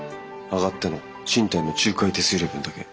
上がったのは賃貸の仲介手数料分だけ。